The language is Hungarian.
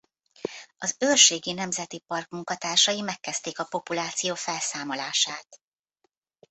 Az Őrségi Nemzeti Park munkatársai megkezdték a populáció felszámolását.